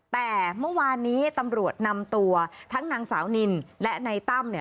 แต่เมื่อวานนี้ตำรวจนำตัวทั้งนางสาวนินและนายตั้มเนี่ย